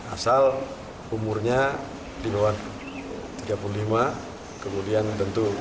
asal umurnya di bawah tiga puluh lima kemudian tentu